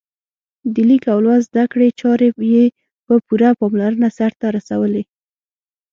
د لیک او لوست زده کړې چارې یې په پوره پاملرنه سرته رسولې.